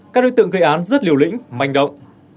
các đối tượng gây án rất liều lĩnh manh động